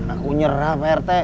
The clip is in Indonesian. aku nyerah pak rt